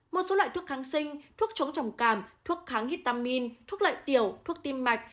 một số loại thuốc kháng sinh thuốc chống trồng càm thuốc kháng vitamin thuốc lợi tiểu thuốc tim mạch